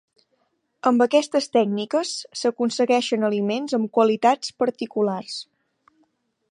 Amb aquestes tècniques s'aconsegueixen aliments amb qualitats particulars.